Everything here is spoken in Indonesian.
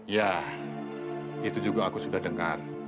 ya itu juga aku sudah dengar